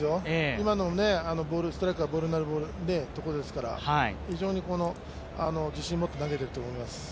今のボール、ストライクになるところですから非常に自信持って投げてると思います。